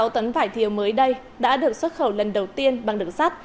năm mươi sáu tấn vải thiều mới đây đã được xuất khẩu lần đầu tiên bằng đường sắt